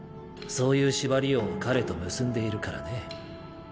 そういう縛りを彼と結んでいるからね。